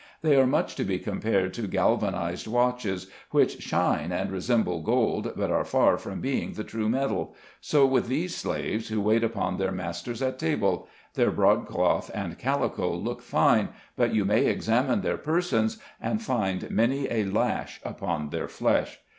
They are much to be compared to galvanized watches, which shine and resemble gold, but are far from being the true metal ; so with these slaves who wait upon their masters at table — their broadcloth and calico look fine, but you may examine their persons, and find many a lash upon their flesh.